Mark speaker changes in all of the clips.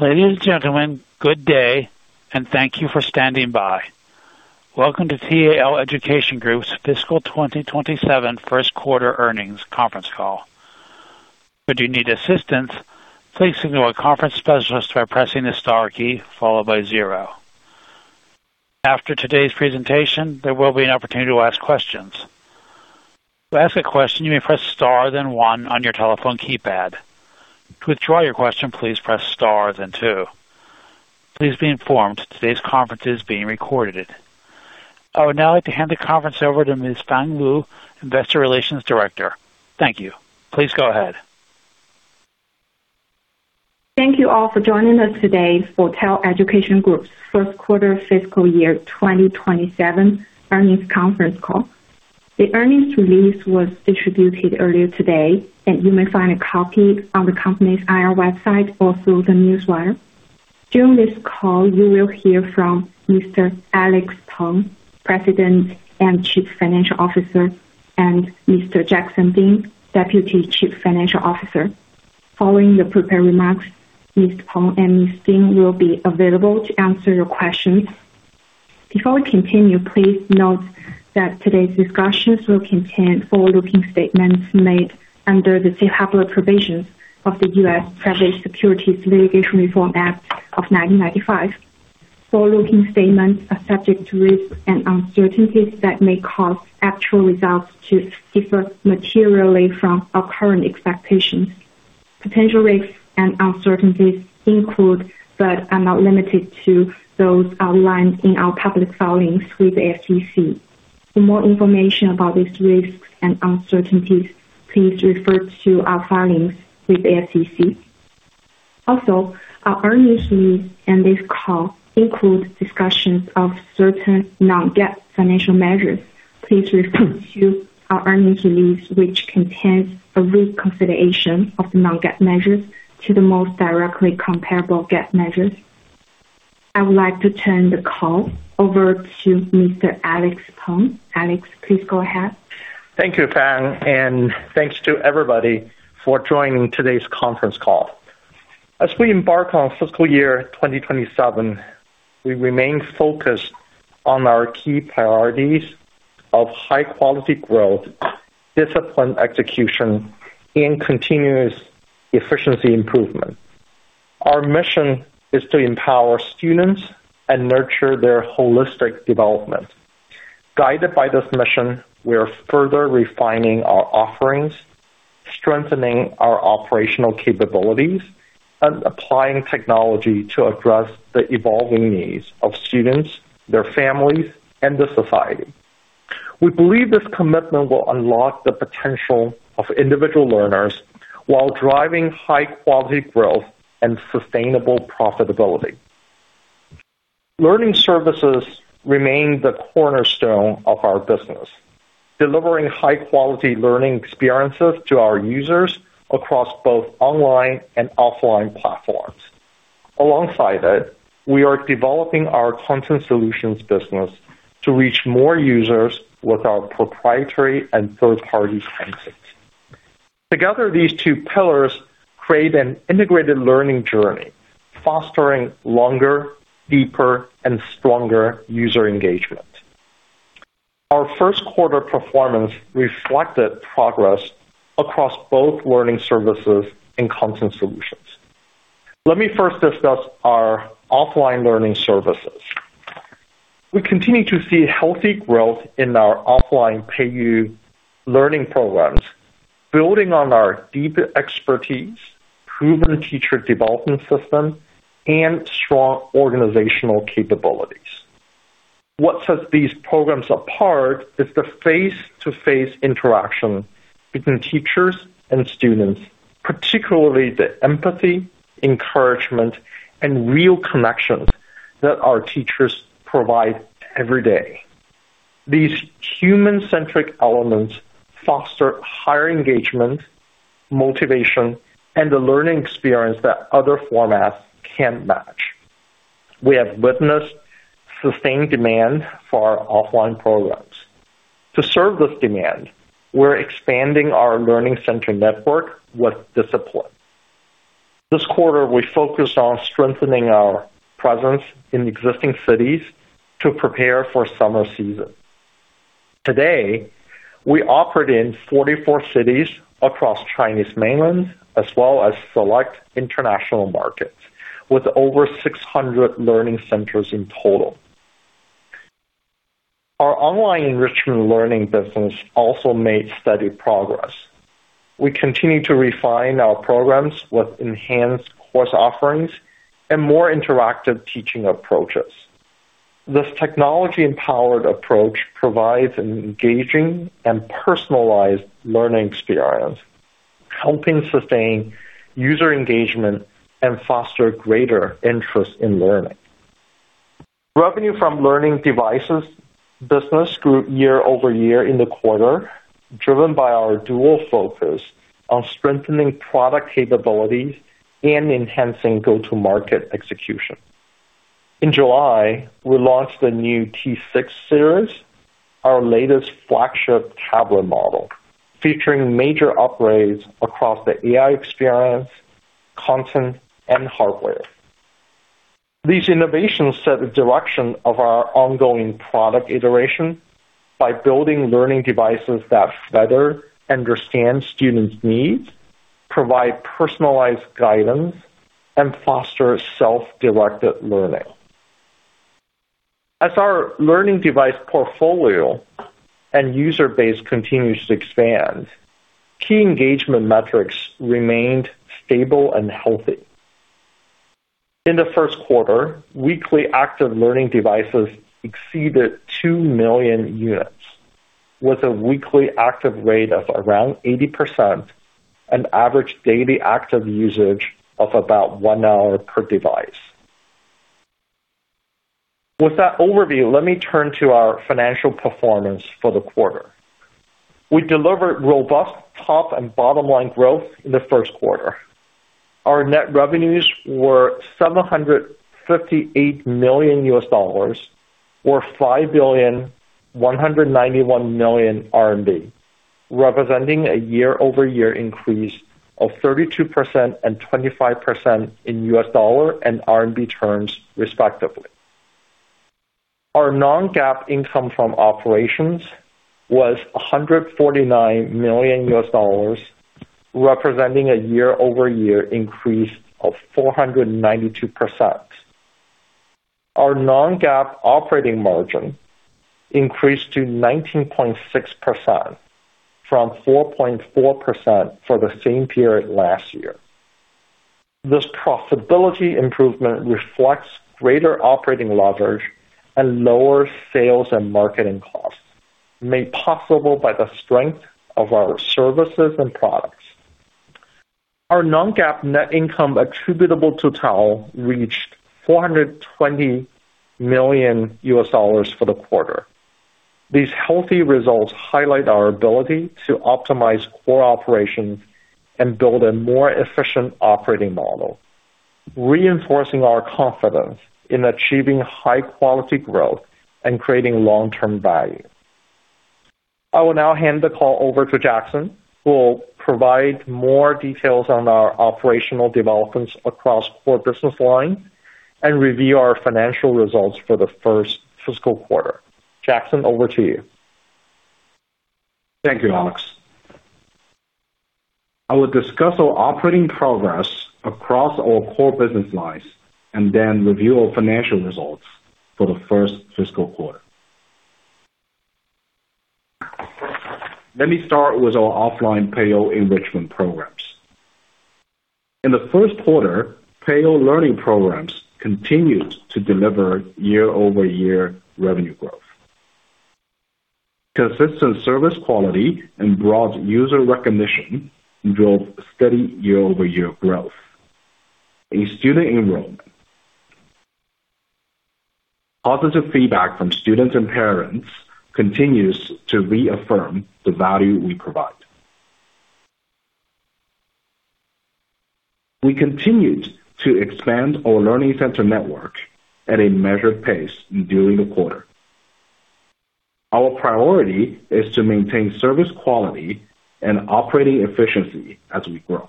Speaker 1: Ladies and gentlemen, good day, and thank you for standing by. Welcome to TAL Education Group's fiscal 2027 first quarter earnings conference call. If you need assistance, please signal a conference specialist by pressing the star key followed by zero. After today's presentation, there will be an opportunity to ask questions. To ask a question, you may press star then one on your telephone keypad. To withdraw your question, please press star then two. Please be informed today's conference is being recorded. I would now like to hand the conference over to Ms. Fang Liu, Investor Relations Director. Thank you. Please go ahead.
Speaker 2: Thank you all for joining us today for TAL Education Group's first quarter fiscal year 2027 earnings conference call. The earnings release was distributed earlier today, and you may find a copy on the company's IR website or through the newsletter. During this call, you will hear from Mr. Alex Peng, President and Chief Financial Officer, and Mr. Jackson Ding, Deputy Chief Financial Officer. Following the prepared remarks, Mr. Peng and Mr. Ding will be available to answer your questions. Before we continue, please note that today's discussions will contain forward-looking statements made under the safe harbor provisions of the U.S. Private Securities Litigation Reform Act of 1995. Forward-looking statements are subject to risks and uncertainties that may cause actual results to differ materially from our current expectations. Potential risks and uncertainties include, but are not limited to, those outlined in our public filings with the SEC. For more information about these risks and uncertainties, please refer to our filings with the SEC. Also, our earnings release and this call include discussions of certain non-GAAP financial measures. Please refer to our earnings release, which contains a reconciliation of the non-GAAP measures to the most directly comparable GAAP measures. I would like to turn the call over to Mr. Alex Peng. Alex, please go ahead.
Speaker 3: Thank you, Fang, and thanks to everybody for joining today's conference call. As we embark on fiscal year 2027, we remain focused on our key priorities of high-quality growth, disciplined execution, and continuous efficiency improvement. Our mission is to empower students and nurture their holistic development. Guided by this mission, we are further refining our offerings, strengthening our operational capabilities, and applying technology to address the evolving needs of students, their families, and the society. We believe this commitment will unlock the potential of individual learners while driving high-quality growth and sustainable profitability. Learning services remain the cornerstone of our business, delivering high-quality learning experiences to our users across both online and offline platforms. Alongside it, we are developing our content solutions business to reach more users with our proprietary and third-party content. Together, these two pillars create an integrated learning journey, fostering longer, deeper, and stronger user engagement. Our first quarter performance reflected progress across both learning services and content solutions. Let me first discuss our offline learning services. We continue to see healthy growth in our offline Peiyou learning programs, building on our deep expertise, proven teacher development system, and strong organizational capabilities. What sets these programs apart is the face-to-face interaction between teachers and students, particularly the empathy, encouragement, and real connections that our teachers provide every day. These human-centric elements foster higher engagement, motivation, and a learning experience that other formats can't match. We have witnessed sustained demand for our offline programs. To serve this demand, we're expanding our learning center network with discipline. This quarter, we focused on strengthening our presence in existing cities to prepare for summer season. Today, we operate in 44 cities across Chinese mainland as well as select international markets with over 600 learning centers in total. Our online enrichment learning business also made steady progress. We continue to refine our programs with enhanced course offerings and more interactive teaching approaches. This technology-empowered approach provides an engaging and personalized learning experience, helping sustain user engagement and foster greater interest in learning. Revenue from learning devices business grew year-over-year in the quarter, driven by our dual focus on strengthening product capabilities and enhancing go-to-market execution. In July, we launched the new T6 series, our latest flagship tablet model, featuring major upgrades across the AI experience, content, and hardware. These innovations set the direction of our ongoing product iteration by building learning devices that better understand students' needs, provide personalized guidance, and foster self-directed learning. As our learning device portfolio and user base continues to expand, key engagement metrics remained stable and healthy. In the first quarter, weekly active learning devices exceeded 2 million units, with a weekly active rate of around 80%, an average daily active usage of about one hour per device. With that overview, let me turn to our financial performance for the quarter. We delivered robust top and bottom-line growth in the first quarter. Our net revenues were $758 million, or 5,191,000,000 RMB, representing a year-over-year increase of 32% and 25% in U.S. dollar and RMB terms, respectively. Our non-GAAP income from operations was $149 million, representing a year-over-year increase of 492%. Our non-GAAP operating margin increased to 19.6% from 4.4% for the same period last year. This profitability improvement reflects greater operating leverage and lower sales and marketing costs, made possible by the strength of our services and products. Our non-GAAP net income attributable to TAL reached $420 million for the quarter. These healthy results highlight our ability to optimize core operations and build a more efficient operating model, reinforcing our confidence in achieving high-quality growth and creating long-term value. I will now hand the call over to Jackson, who will provide more details on our operational developments across core business lines and review our financial results for the first fiscal quarter. Jackson, over to you.
Speaker 4: Thank you, Alex. I will discuss our operating progress across our core business lines and then review our financial results for the first fiscal quarter. Let me start with our offline Peiyou enrichment programs. In the first quarter, Peiyou learning programs continued to deliver year-over-year revenue growth. Consistent service quality and broad user recognition drove steady year-over-year growth in student enrollment. Positive feedback from students and parents continues to reaffirm the value we provide. We continued to expand our learning center network at a measured pace during the quarter. Our priority is to maintain service quality and operating efficiency as we grow.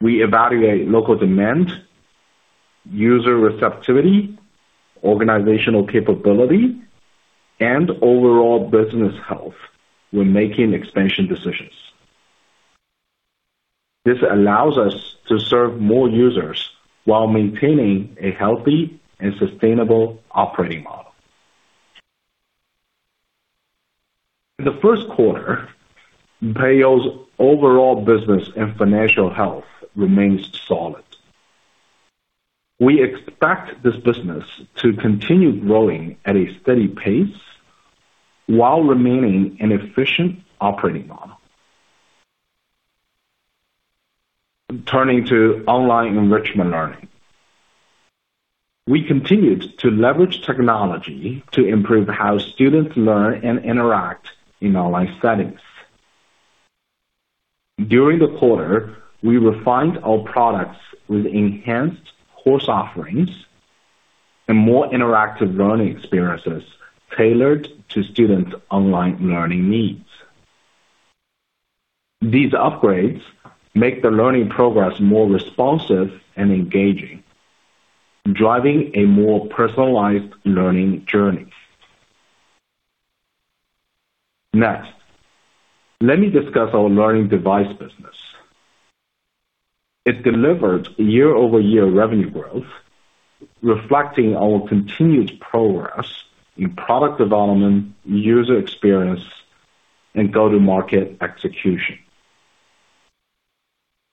Speaker 4: We evaluate local demand, user receptivity, organizational capability, and overall business health when making expansion decisions. This allows us to serve more users while maintaining a healthy and sustainable operating model. In the first quarter, Peiyou's overall business and financial health remains solid. We expect this business to continue growing at a steady pace while remaining an efficient operating model. Turning to online enrichment learning. We continued to leverage technology to improve how students learn and interact in online settings. During the quarter, we refined our products with enhanced course offerings and more interactive learning experiences tailored to students' online learning needs. These upgrades make the learning progress more responsive and engaging, driving a more personalized learning journey. Next, let me discuss our learning device business. It delivered year-over-year revenue growth, reflecting our continued progress in product development, user experience, and go-to-market execution.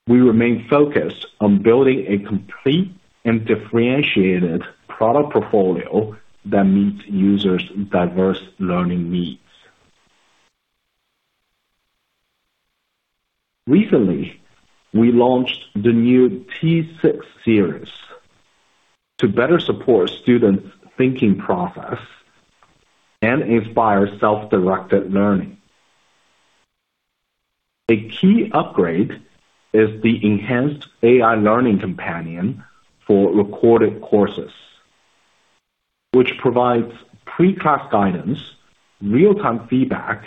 Speaker 4: We remain focused on building a complete and differentiated product portfolio that meets users' diverse learning needs. Recently, we launched the new T6 series to better support students' thinking process and inspire self-directed learning. A key upgrade is the enhanced AI learning companion for recorded courses, which provides pre-class guidance, real-time feedback,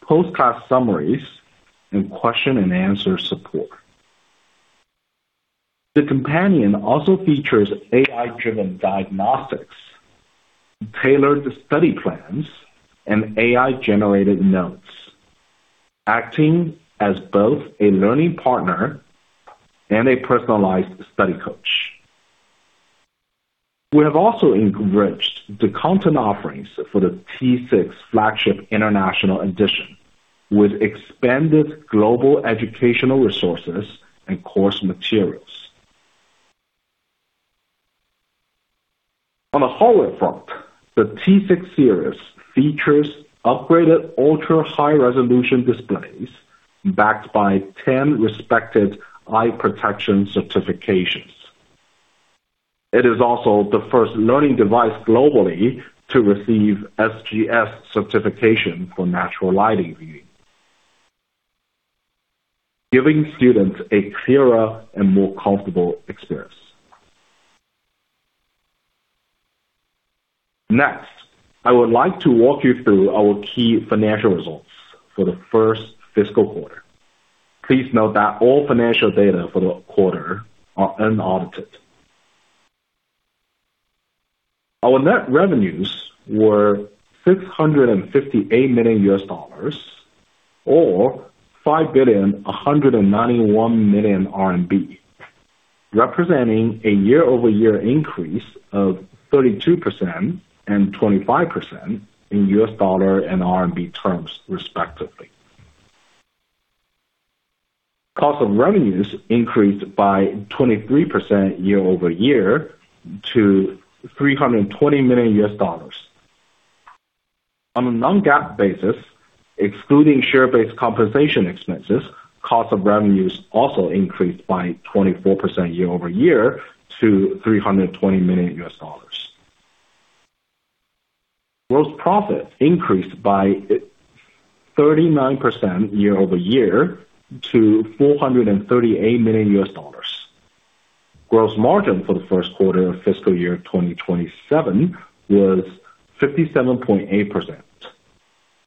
Speaker 4: post-class summaries, and question and answer support. The companion also features AI-driven diagnostics, tailored study plans, and AI-generated notes, acting as both a learning partner and a personalized study coach. We have also enriched the content offerings for the T6 flagship international edition with expanded global educational resources and course materials. On the hardware front, the T6 series features upgraded ultra-high-resolution displays backed by 10 respected eye protection certifications. It is also the first learning device globally to receive SGS certification for natural lighting viewing, giving students a clearer and more comfortable experience. Next, I would like to walk you through our key financial results for the first fiscal quarter. Please note that all financial data for the quarter are unaudited. Our net revenues were $658 million, or 5,191,000,000 RMB, representing a year-over-year increase of 32% and 25% in U.S. dollar and RMB terms respectively. Cost of revenues increased by 23% year-over-year to $320 million. On a non-GAAP basis, excluding share-based compensation expenses, cost of revenues also increased by 24% year-over-year to $320 million. Gross profit increased by 39% year-over-year to $438 million. Gross margin for the first quarter of fiscal year 2027 was 57.8%,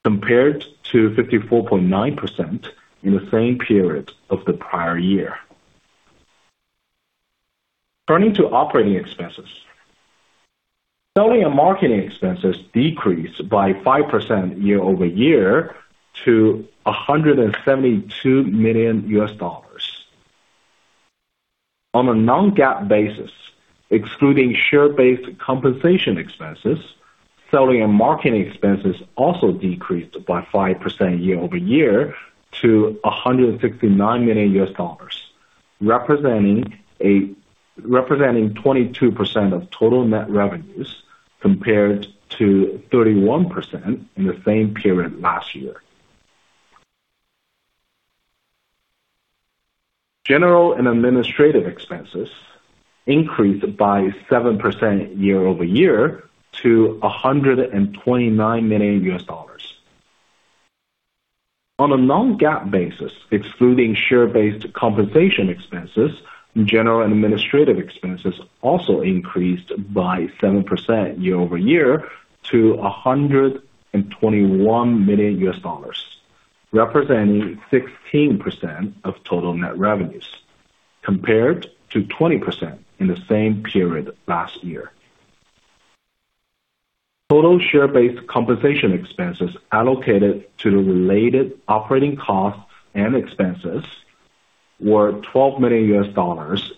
Speaker 4: compared to 54.9% in the same period of the prior year. Turning to operating expenses. Selling and marketing expenses decreased by 5% year-over-year to $172 million. On a non-GAAP basis, excluding share-based compensation expenses, selling and marketing expenses also decreased by 5% year-over-year to $169 million, representing 22% of total net revenues, compared to 31% in the same period last year. General and administrative expenses increased by 7% year-over-year to $129 million. On a non-GAAP basis, excluding share-based compensation expenses, general and administrative expenses also increased by 7% year-over-year to $121 million, representing 16% of total net revenues, compared to 20% in the same period last year. Total share-based compensation expenses allocated to the related operating costs and expenses were $12 million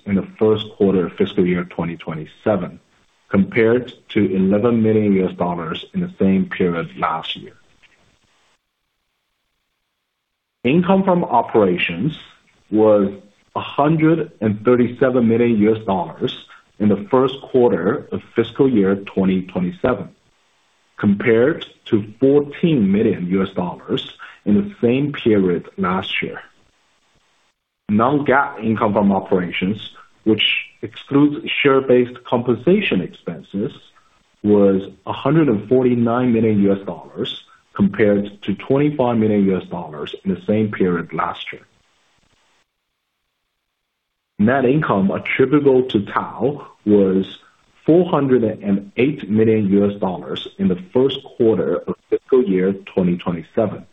Speaker 4: in the first quarter of fiscal year 2027, compared to $11 million in the same period last year. Income from operations was $137 million in the first quarter of fiscal year 2027, compared to $14 million in the same period last year. Non-GAAP income from operations, which excludes share-based compensation expenses, was $149 million, compared to $25 million in the same period last year. Net income attributable to TAL was $408 million in the first quarter of fiscal year 2027,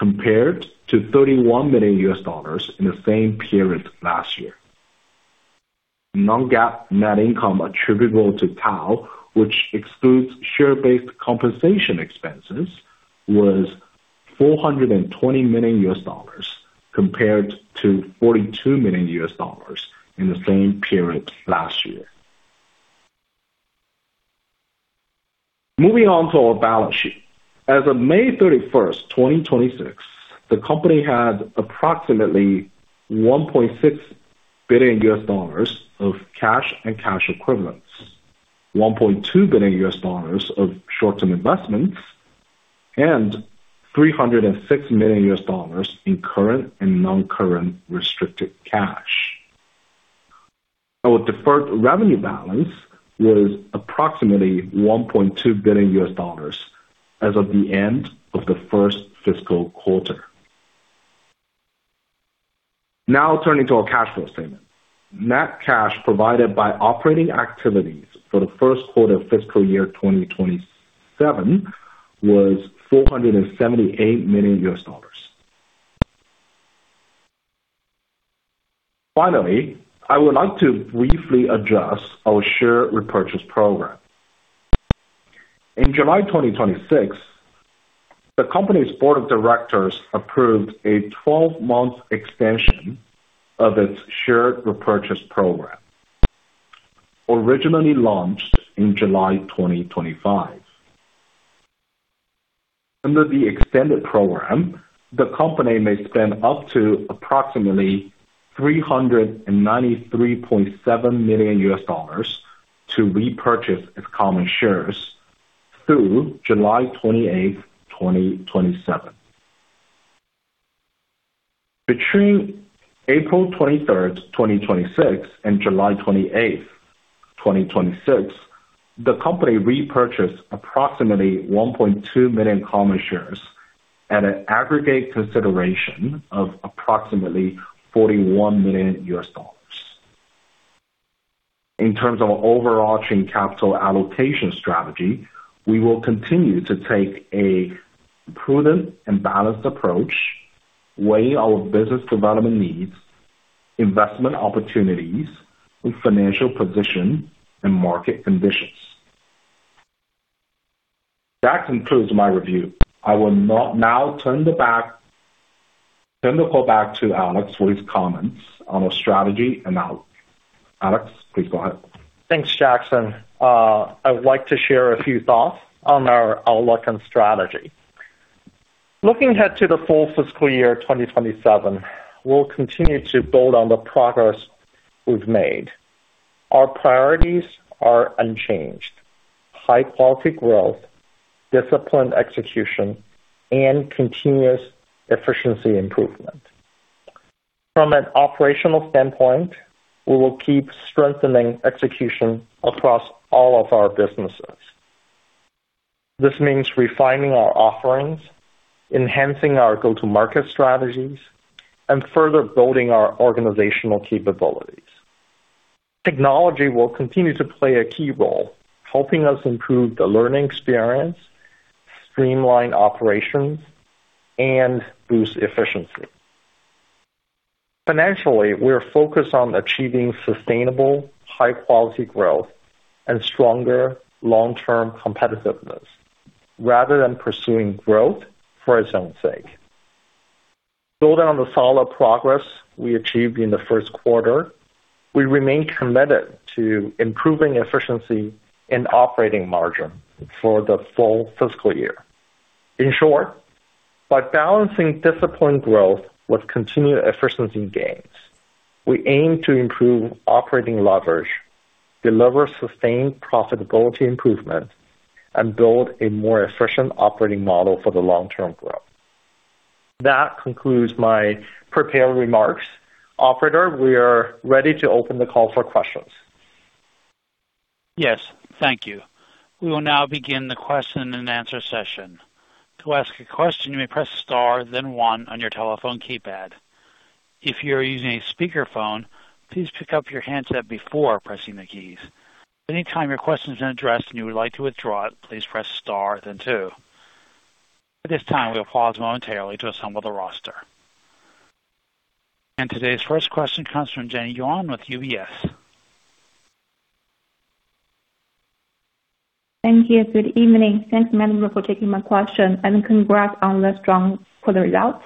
Speaker 4: compared to $31 million in the same period last year. Non-GAAP net income attributable to TAL, which excludes share-based compensation expenses, was $420 million compared to $42 million in the same period last year. Moving on to our balance sheet. As of May 31st, 2026, the company had approximately $1.6 billion of cash and cash equivalents, $1.2 billion of short-term investments, and $306 million in current and non-current restricted cash. Our deferred revenue balance was approximately $1.2 billion as of the end of the first fiscal quarter. Turning to our cash flow statement. Net cash provided by operating activities for the first quarter of fiscal year 2027 was $478 million. Finally, I would like to briefly address our share repurchase program. In July 2026, the company's Board of Directors approved a 12-month extension of its share repurchase program, originally launched in July 2025. Under the extended program, the company may spend up to approximately $393.7 million to repurchase its common shares through July 28th, 2027. Between April 23rd, 2026 and July 28th, 2026, the company repurchased approximately 1.2 million common shares at an aggregate consideration of approximately $41 million. In terms of overarching capital allocation strategy, we will continue to take a prudent and balanced approach, weigh our business development needs, investment opportunities with financial position and market conditions. That concludes my review. I will now turn the call back to Alex for his comments on our strategy and outlook. Alex, please go ahead.
Speaker 3: Thanks, Jackson. I would like to share a few thoughts on our outlook and strategy. Looking ahead to the full fiscal year 2027, we'll continue to build on the progress we've made. Our priorities are unchanged: high-quality growth, disciplined execution, and continuous efficiency improvement. From an operational standpoint, we will keep strengthening execution across all of our businesses. This means refining our offerings, enhancing our go-to-market strategies, and further building our organizational capabilities. Technology will continue to play a key role, helping us improve the learning experience, streamline operations, and boost efficiency. Financially, we are focused on achieving sustainable, high-quality growth and stronger long-term competitiveness rather than pursuing growth for its own sake. Building on the solid progress we achieved in the first quarter, we remain committed to improving efficiency and operating margin for the full fiscal year. In short, by balancing disciplined growth with continued efficiency gains, we aim to improve operating leverage, deliver sustained profitability improvement, and build a more efficient operating model for the long-term growth. That concludes my prepared remarks. Operator, we are ready to open the call for questions.
Speaker 1: Yes. Thank you. We will now begin the question and answer session. To ask a question, you may press star, then one on your telephone keypad. If you are using a speakerphone, please pick up your handset before pressing the keys. Any time your question is addressed and you would like to withdraw it, please press star then two. At this time, we'll pause momentarily to assemble the roster. Today's first question comes from Jenny Yuan with UBS.
Speaker 5: Thank you. Good evening. Thanks, management, for taking my question, and congrats on the strong quarter results.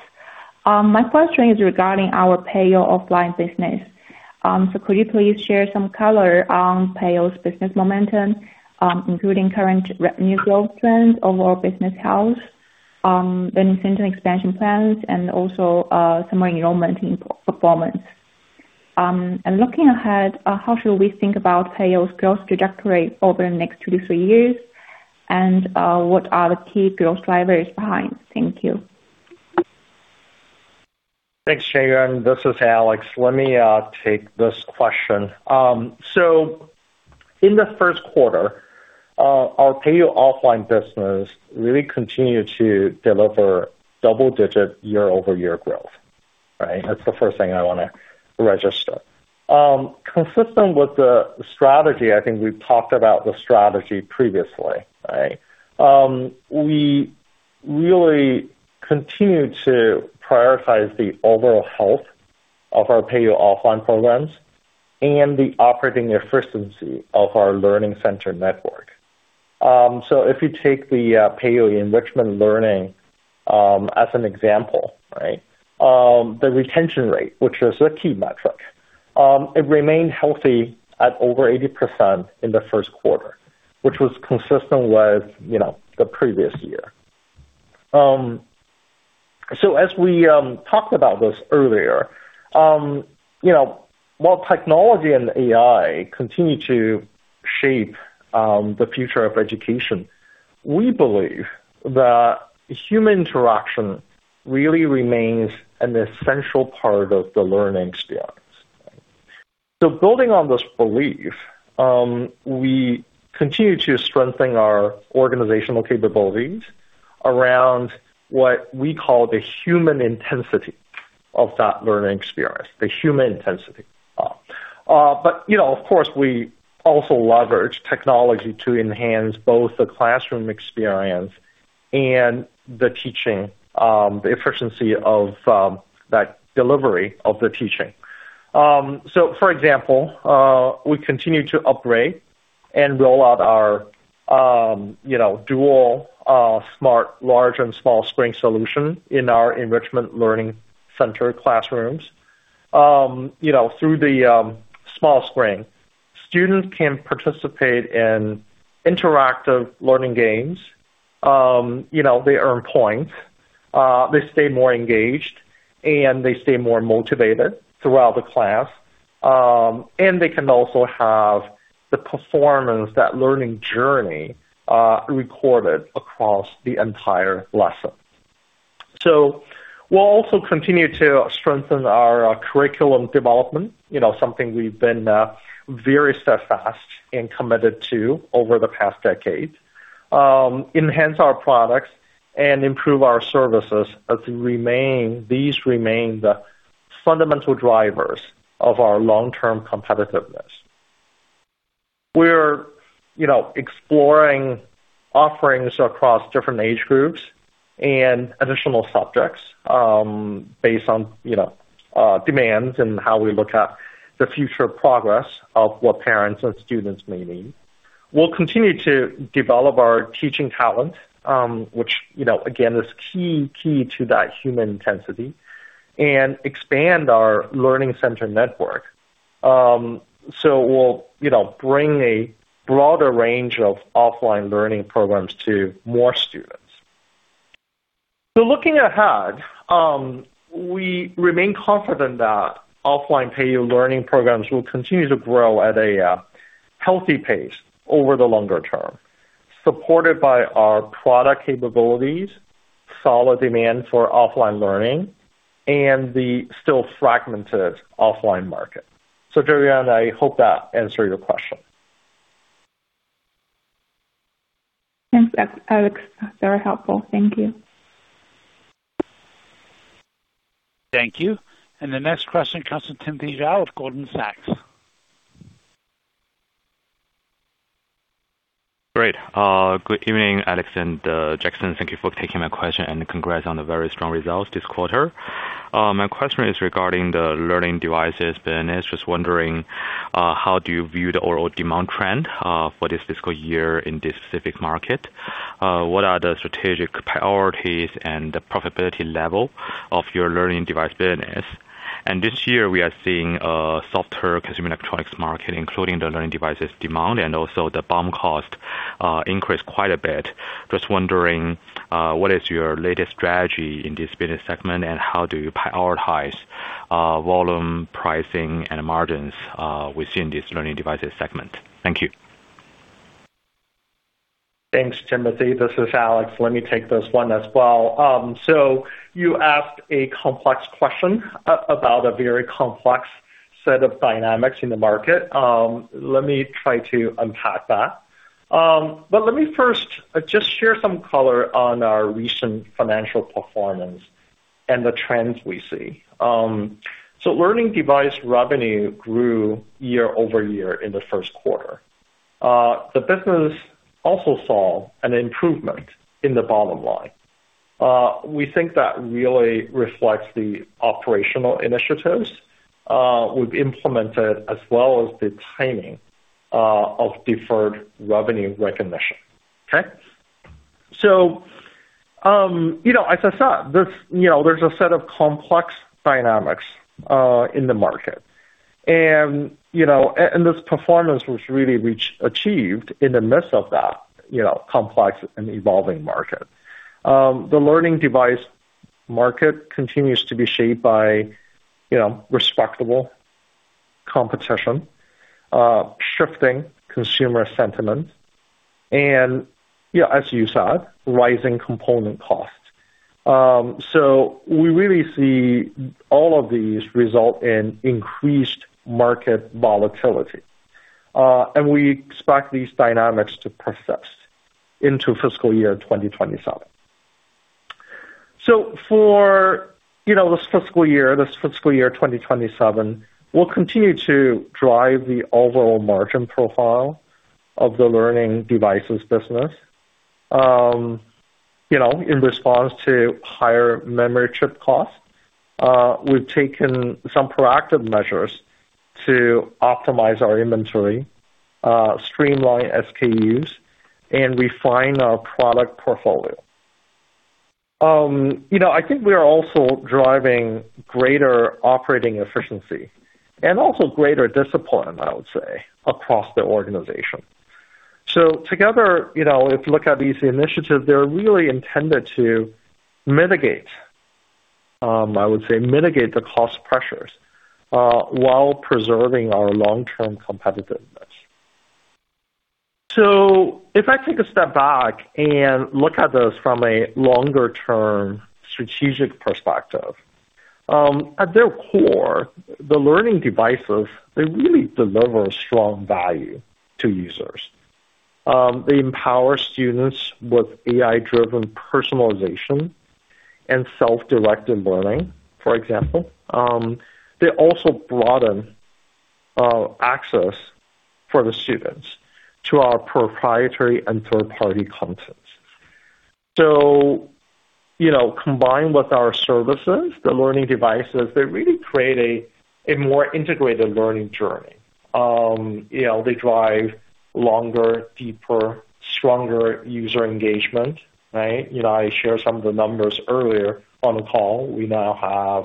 Speaker 5: My question is regarding our Peiyou offline business. Could you please share some color on Peiyou's business momentum, including current revenue growth trends, overall business health, learning center expansion plans, and also summer enrollment performance? Looking ahead, how should we think about Peiyou's growth trajectory over the next two to three years? What are the key growth drivers behind? Thank you.
Speaker 3: Thanks, Yuan. This is Alex. Let me take this question. In the first quarter, our Peiyou offline business really continued to deliver double-digit year-over-year growth. Right? That's the first thing I want to register. Consistent with the strategy, I think we've talked about the strategy previously, right? We really continue to prioritize the overall health of our Peiyou offline programs and the operating efficiency of our learning center network. If you take the Peiyou enrichment learning as an example, right? The retention rate, which is a key metric, it remained healthy at over 80% in the first quarter, which was consistent with the previous year. As we talked about this earlier, while technology and AI continue to shape the future of education We believe that human interaction really remains an essential part of the learning experience. Building on this belief, we continue to strengthen our organizational capabilities around what we call the human intensity of that learning experience. The human intensity. But of course, we also leverage technology to enhance both the classroom experience and the efficiency of that delivery of the teaching. For example, we continue to upgrade and roll out our dual smart large and small screen solution in our enrichment learning center classrooms. Through the small screen, students can participate in interactive learning games. They earn points, they stay more engaged, and they stay more motivated throughout the class. They can also have the performance, that learning journey, recorded across the entire lesson. We'll also continue to strengthen our curriculum development, something we've been very steadfast and committed to over the past decade, enhance our products, and improve our services as these remain the fundamental drivers of our long-term competitiveness. We're exploring offerings across different age groups and additional subjects based on demands and how we look at the future progress of what parents and students may need. We'll continue to develop our teaching talent, which again, is key to that human intensity, and expand our learning center network. We'll bring a broader range of offline learning programs to more students. Looking ahead, we remain confident that offline Peiyou learning programs will continue to grow at a healthy pace over the longer term, supported by our product capabilities, solid demand for offline learning, and the still fragmented offline market. So, Yuan, I hope that answered your question.
Speaker 5: Thanks, Alex. Very helpful. Thank you.
Speaker 1: Thank you. The next question comes from Timothy Zhao of Goldman Sachs.
Speaker 6: Great. Good evening, Alex and Jackson. Thank you for taking my question, congrats on the very strong results this quarter. My question is regarding the learning devices business. Just wondering, how do you view the overall demand trend for this fiscal year in this specific market? What are the strategic priorities and the profitability level of your learning device business? This year, we are seeing a softer consumer electronics market, including the learning devices demand, also the BOM cost increase quite a bit. Just wondering, what is your latest strategy in this business segment, how do you prioritize volume, pricing, and margins within this learning devices segment? Thank you.
Speaker 3: Thanks, Timothy. This is Alex. Let me take this one as well. You asked a complex question about a very complex set of dynamics in the market. Let me try to unpack that. Let me first just share some color on our recent financial performance and the trends we see. Learning device revenue grew year-over-year in the first quarter. The business also saw an improvement in the bottom line. We think that really reflects the operational initiatives we've implemented, as well as the timing of deferred revenue recognition. Okay. As I said, there's a set of complex dynamics in the market. This performance was really achieved in the midst of that complex and evolving market. The learning device market continues to be shaped by respectable competition, shifting consumer sentiment, as you said, rising component costs. We really see all of these result in increased market volatility. We expect these dynamics to persist into fiscal year 2027. For this fiscal year 2027, we'll continue to drive the overall margin profile of the learning devices business. In response to higher memory chip costs, we've taken some proactive measures to optimize our inventory, streamline SKUs, and refine our product portfolio. I think we are also driving greater operating efficiency and also greater discipline, I would say, across the organization. Together, if you look at these initiatives, they're really intended to mitigate the cost pressures while preserving our long-term competitiveness. If I take a step back and look at this from a longer-term strategic perspective. At their core, the learning devices, they really deliver strong value to users. They empower students with AI-driven personalization and self-directed learning, for example. They also broaden access for the students to our proprietary and third-party content. Combined with our services, the learning devices, they really create a more integrated learning journey. They drive longer, deeper, stronger user engagement, right? I shared some of the numbers earlier on the call. We now have,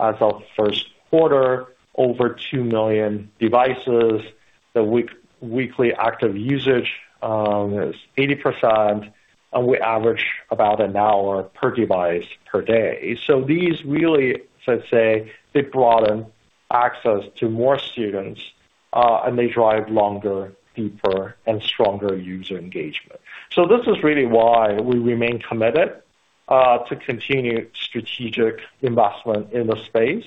Speaker 3: as of first quarter, over two million devices. The weekly active usage is 80%, and we average about one hour per device per day. These really, let's say, they broaden access to more students, and they drive longer, deeper, and stronger user engagement. This is really why we remain committed to continue strategic investment in the space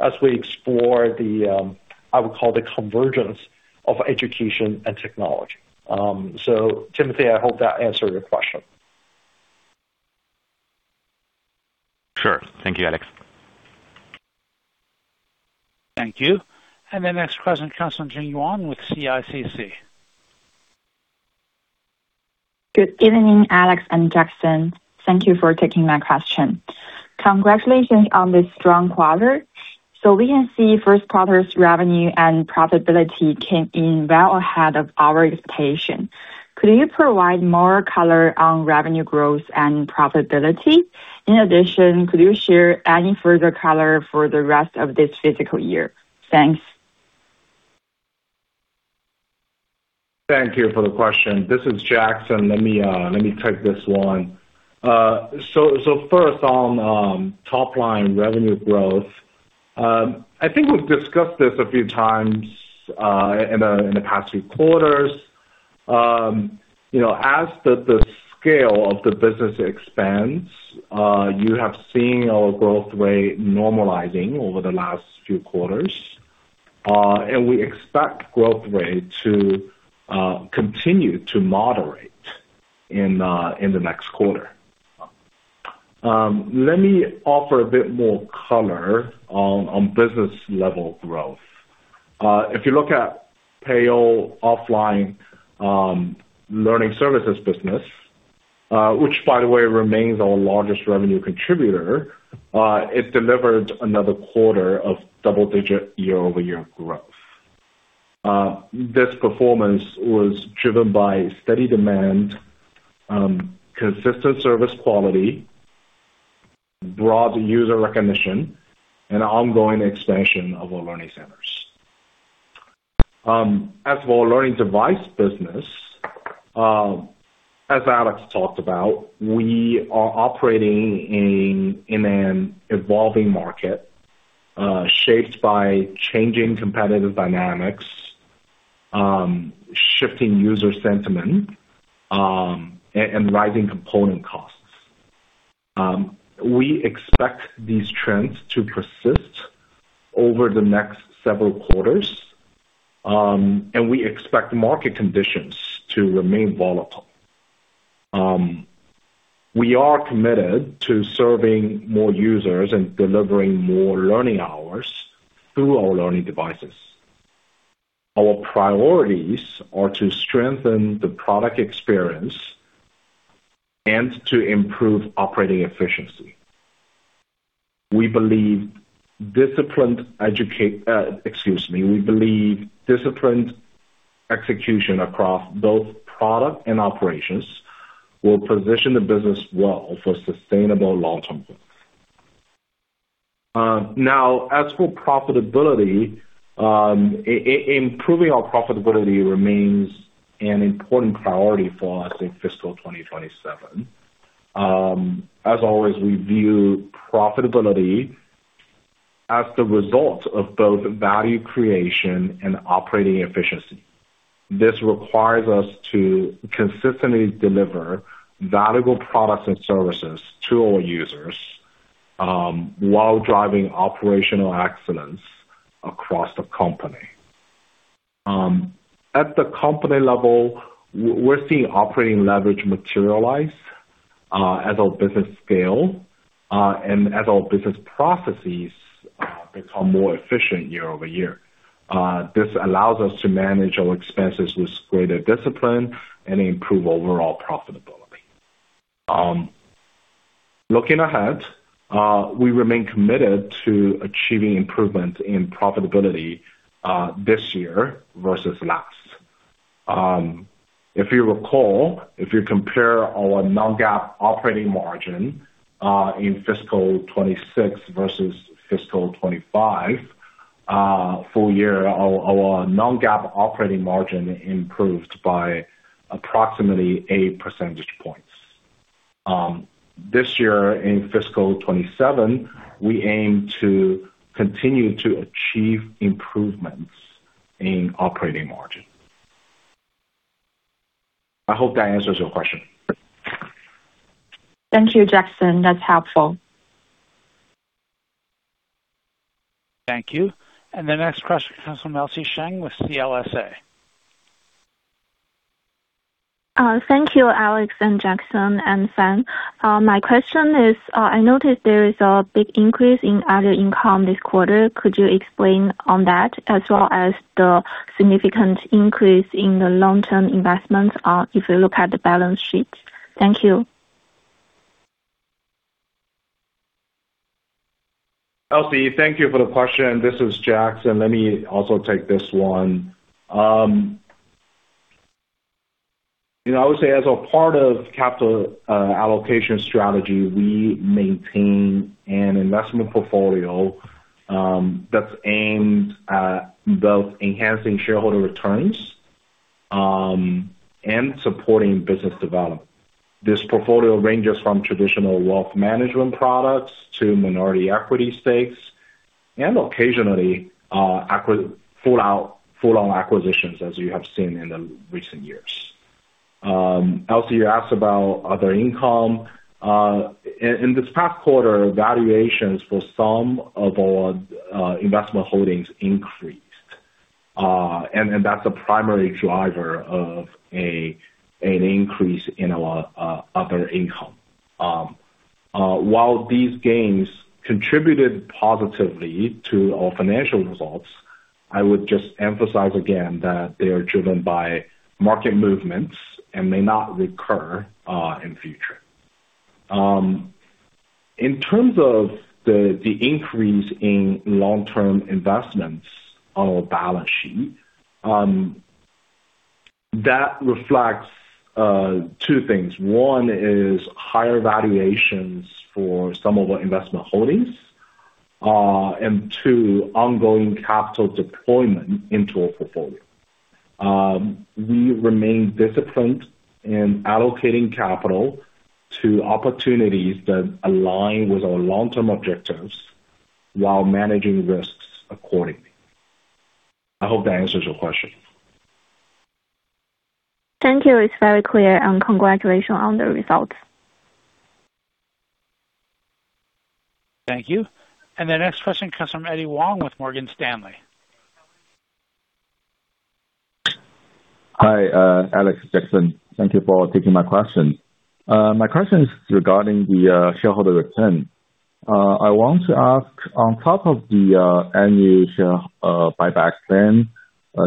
Speaker 3: as we explore the, I would call the convergence of education and technology. Timothy, I hope that answered your question.
Speaker 6: Sure. Thank you, Alex.
Speaker 1: Thank you. The next question comes from Jing Yuan with CICC.
Speaker 7: Good evening, Alex and Jackson. Thank you for taking my question. Congratulations on this strong quarter. We can see first quarter's revenue and profitability came in well ahead of our expectation. Could you provide more color on revenue growth and profitability? In addition, could you share any further color for the rest of this fiscal year? Thanks.
Speaker 4: Thank you for the question. This is Jackson. Let me take this one. First, on top line revenue growth. I think we've discussed this a few times in the past few quarters. As the scale of the business expands, you have seen our growth rate normalizing over the last few quarters. We expect growth rate to continue to moderate in the next quarter. Let me offer a bit more color on business level growth. If you look at Peiyou, which by the way remains our largest revenue contributor, it delivered another quarter of double-digit year-over-year growth. This performance was driven by steady demand, consistent service quality, broad user recognition, and ongoing expansion of our learning centers. As for our learning device business, as Alex talked about, we are operating in an evolving market shaped by changing competitive dynamics, shifting user sentiment, and rising component costs. We expect these trends to persist over the next several quarters. We expect market conditions to remain volatile. We are committed to serving more users and delivering more learning hours through our learning devices. Our priorities are to strengthen the product experience and to improve operating efficiency. We believe disciplined execution across both product and operations will position the business well for sustainable long-term growth. Now, as for profitability, improving our profitability remains an important priority for us in fiscal 2027. As always, we view profitability as the result of both value creation and operating efficiency. This requires us to consistently deliver valuable products and services to our users while driving operational excellence across the company. At the company level, we're seeing operating leverage materialize as our business scale and as our business processes become more efficient year-over-year. This allows us to manage our expenses with greater discipline and improve overall profitability. Looking ahead, we remain committed to achieving improvement in profitability this year versus last. If you recall, if you compare our non-GAAP operating margin in fiscal 2026 versus fiscal 2025. Our full year, our non-GAAP operating margin improved by approximately eight percentage points. This year in fiscal 2027, we aim to continue to achieve improvements in operating margin. I hope that answers your question.
Speaker 7: Thank you, Jackson. That's helpful.
Speaker 1: Thank you. The next question comes from Elsie Sheng with CLSA.
Speaker 8: Thank you, Alex and Jackson and Fang. My question is, I noticed there is a big increase in other income this quarter. Could you explain on that as well as the significant increase in the long-term investments, if you look at the balance sheets? Thank you.
Speaker 4: Elsie, thank you for the question. This is Jackson. Let me also take this one. I would say as a part of capital allocation strategy, we maintain an investment portfolio that's aimed at both enhancing shareholder returns and supporting business development. This portfolio ranges from traditional wealth management products to minority equity stakes, and occasionally, full-on acquisitions, as you have seen in the recent years. Elsie, you asked about other income. In this past quarter, valuations for some of our investment holdings increased. That's a primary driver of an increase in our other income. While these gains contributed positively to our financial results, I would just emphasize again that they are driven by market movements and may not recur in future. In terms of the increase in long-term investments on our balance sheet, that reflects two things. One is higher valuations for some of our investment holdings. Two, ongoing capital deployment into our portfolio. We remain disciplined in allocating capital to opportunities that align with our long-term objectives while managing risks accordingly. I hope that answers your question.
Speaker 8: Thank you. It's very clear, and congratulations on the results.
Speaker 1: Thank you. The next question comes from Eddy Wang with Morgan Stanley.
Speaker 9: Hi, Alex, Jackson. Thank you for taking my question. My question is regarding the shareholder return. I want to ask, on top of the annual share buyback plan,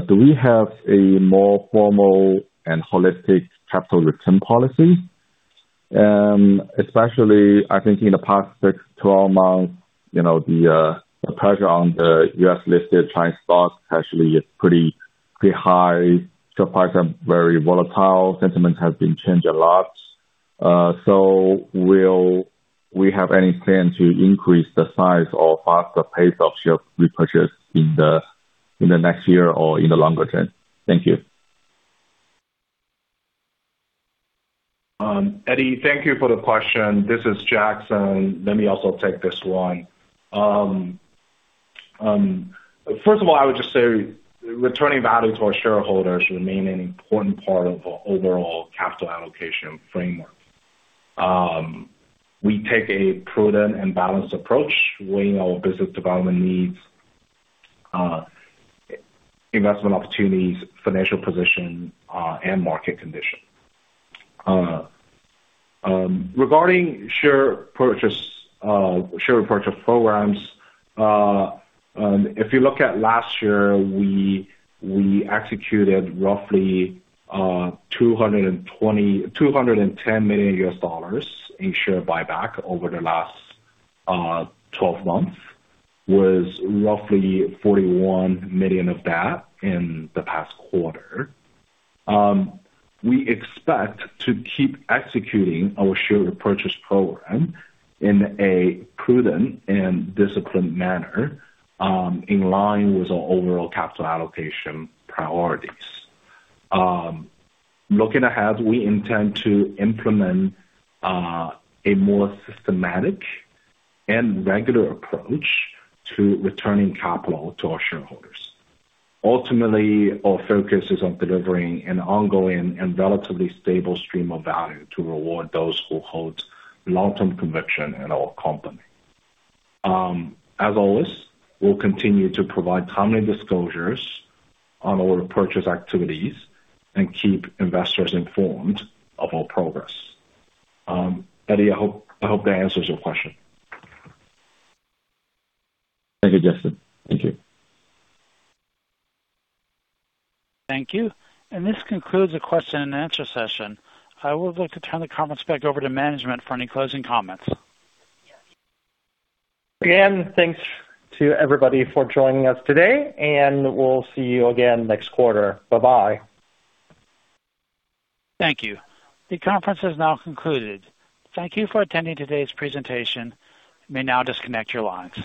Speaker 9: do we have a more formal and holistic capital return policy? Especially, I think in the past 6 to 12 months, the pressure on the U.S.-listed Chinese stocks actually is pretty high. Share prices are very volatile. Sentiments have been changed a lot. Will we have any plan to increase the size or faster pace of share repurchase in the next year or in the longer term? Thank you.
Speaker 4: Eddy, thank you for the question. This is Jackson. Let me also take this one. First of all, I would just say returning value to our shareholders remain an important part of our overall capital allocation framework. We take a prudent and balanced approach weighing our business development needs, investment opportunities, financial position, and market condition. Regarding share purchase programs, if you look at last year, we executed roughly $210 million in share buyback over the last 12 months. Was roughly $41 million of that in the past quarter. We expect to keep executing our share repurchase program in a prudent and disciplined manner, in line with our overall capital allocation priorities. Looking ahead, we intend to implement a more systematic and regular approach to returning capital to our shareholders. Ultimately, our focus is on delivering an ongoing and relatively stable stream of value to reward those who hold long-term conviction in our company. As always, we'll continue to provide timely disclosures on our purchase activities and keep investors informed of our progress. Eddy, I hope that answers your question.
Speaker 9: Thank you, Jackson. Thank you.
Speaker 1: Thank you. This concludes the question and answer session. I would like to turn the comments back over to management for any closing comments.
Speaker 3: Again, thanks to everybody for joining us today, and we'll see you again next quarter. Bye-bye.
Speaker 1: Thank you. The conference has now concluded. Thank you for attending today's presentation. You may now disconnect your lines.